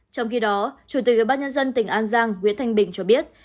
trong khi đó chủ tịch bác nhân dân tỉnh an giang nguyễn thanh bình cho biết